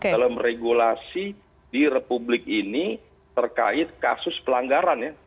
dalam regulasi di republik ini terkait kasus pelanggaran ya